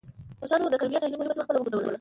روسانو د کریمیا ساحلي مهمه سیمه خپله وګرځوله.